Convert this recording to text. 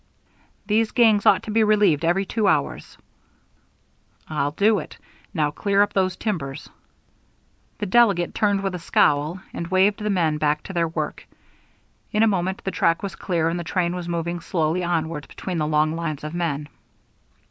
"These gangs ought to be relieved every two hours." "I'll do it. Now clear up those timbers." The delegate turned with a scowl, and waved the men back to their work. In a moment the track was clear, and the train was moving slowly onward between the long lines of men.